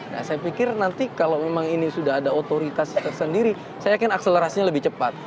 nah saya pikir nanti kalau memang ini sudah ada otoritas tersendiri saya yakin akselerasinya lebih cepat